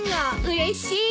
うれしい！